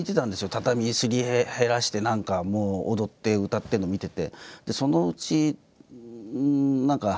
畳すり減らして何かもう踊って歌ってるの見てて。